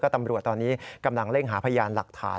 ตำรวจตอนนี้กำลังเร่งหาพยานหลักฐาน